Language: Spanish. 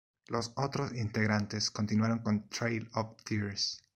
Los otros integrantes continuaron con Trail of Tears.